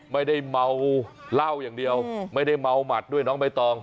ไม่ได้เมาเหล้าอย่างเดียวไม่ได้เมาหมัดด้วยน้องใบตอง